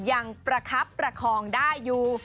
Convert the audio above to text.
ยังประคับประคองได้อยู่